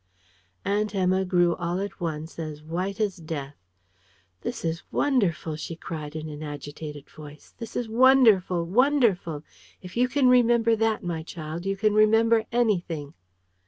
Aunt Emma grew all at once as white as death. "This is wonderful!" she cried in an agitated voice. "This is wonderful wonderful! If you can remember that, my child, you can remember anything."